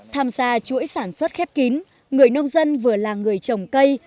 tham gia chuỗi sản xuất khép kín người nông dân vừa là người trồng cây